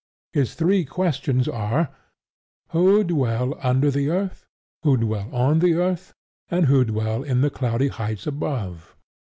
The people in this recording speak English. His three questions are, Who dwell under the earth? Who dwell on the earth? and Who dwell in the cloudy heights above?